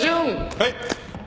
はい。